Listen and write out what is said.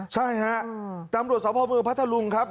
ใช่ฮะตำรวจสมภาพเมืองพัทธลุงครับ